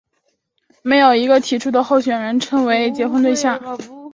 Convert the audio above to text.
没有一个提出的候选人称为结婚对象。